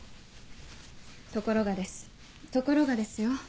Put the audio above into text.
ところがですところがですよ？